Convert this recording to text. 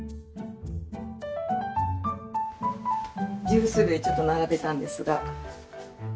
ジュース類ちょっと並べたんですが。